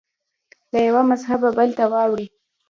له یوه مذهبه بل ته واوړي